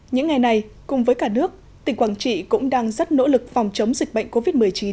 những ngày này cùng với cả nước tỉnh quảng trị cũng đang rất nỗ lực phòng chống dịch bệnh covid một mươi chín